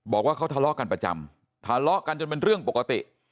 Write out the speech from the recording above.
บอกว่าเขาทะเลาะกันประจำทะเลาะกันจนเป็นเรื่องปกติ